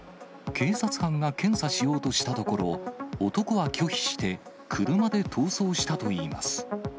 警察官が検査しようとしたところ、男は拒否して車で逃走したといいます。